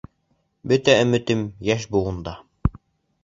— Бөтә өмөтөм - йәш быуында.